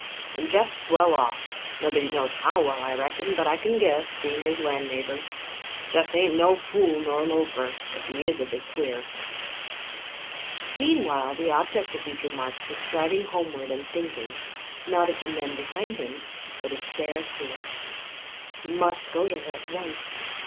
And Jeff's well off nobody knows how well, I reckon, but I can guess, being his land neighbour. Jeff ain't no fool nor loafer, if he is a bit queer." Meanwhile, the object of these remarks was striding homeward and thinking, not of the men behind him, but of Sara Stuart. He must go to her at once.